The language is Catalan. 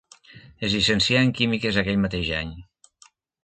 Es llicencià en químiques aquell mateix any.